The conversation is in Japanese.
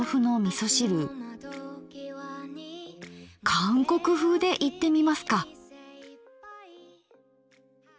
韓国風でいってみますか。